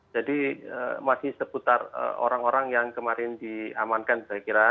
jadi masih sekitar orang orang yang kemarin diamankan saya kira